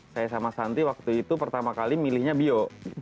saya sama santi waktu itu pertama kali milihnya bio